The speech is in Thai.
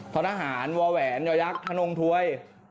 ท้อนหาหารวแหวนยยักษ์ทะนงถวย